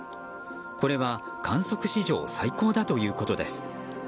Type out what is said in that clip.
これは観測史上最高だということです。